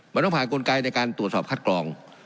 มันต้องผ่านกลไกในการตรวจสอบคัดกรอง